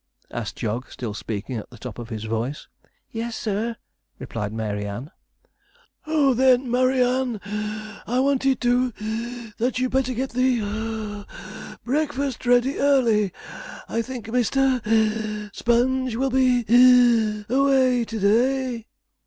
asked Jog, still speaking at the top of his voice. 'Yes, sir,' replied Mary Ann. 'Oh! then, Murry Ann, I wanted to (puff) that you'd better get the (puff) breakfast ready early. I think Mr. Sponge will be (wheezing) away to day.'